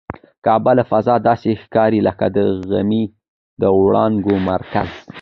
کعبه له فضا داسې ښکاري لکه د غمي د وړانګو مرکز.